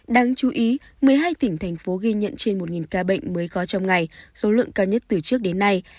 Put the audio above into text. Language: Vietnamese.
đáng chú ý một mươi hai tỉnh thành phố ghi nhận trên một ca bệnh mới có trong ngày số lượng cao nhất từ trước đến nay